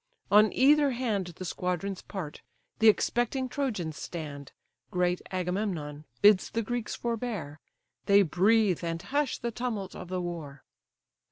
On either hand The squadrons part; the expecting Trojans stand; Great Agamemnon bids the Greeks forbear: They breathe, and hush the tumult of the war.